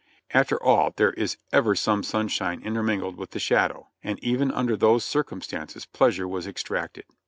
After all, there is ever some sunshine intermingled with the shadow, and even under those circumstances pleasure was ex tracted.